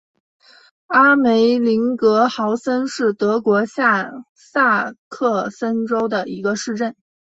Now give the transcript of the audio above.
阿梅林格豪森是德国下萨克森州的一个市镇。